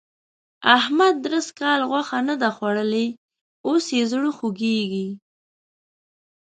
احمد درست کال غوښه نه ده خوړلې؛ اوس يې زړه خوږېږي.